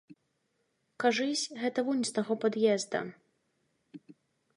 Кажысь, гэта вунь з таго пад'езда.